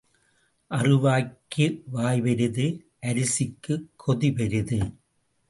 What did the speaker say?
அறுவாய்க்கு வாய்பெரிது அரிசிக்குக் கொதி பெரிது.